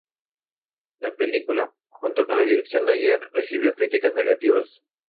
La película, junto con la dirección de Ayer, recibió críticas negativas.